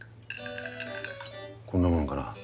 こんなもんかな。